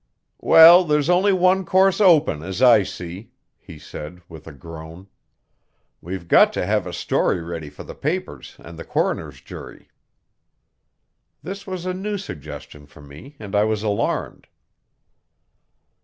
"Well, there's only one course open, as I see," he said with a groan. "We've got to have a story ready for the papers and the coroner's jury." This was a new suggestion for me and I was alarmed.